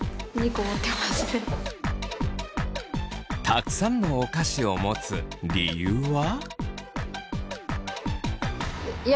たくさんのお菓子を持つ理由は。